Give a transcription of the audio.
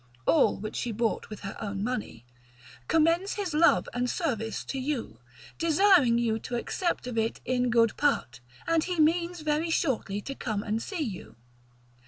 (all which she bought with her own money), commends his love and service to you, desiring you to accept of it in good part, and he means very shortly to come and see you.